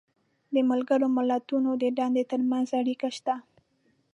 د ملګرو ملتونو د دندو تر منځ اړیکه شته.